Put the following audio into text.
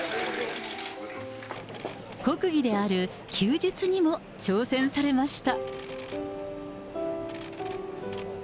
国技である弓術にも挑戦されました。